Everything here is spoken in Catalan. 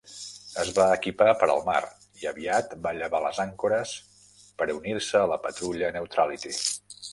Es va equipar per al mar i aviat va llevar les àncores per unir-se a la patrulla Neutrality.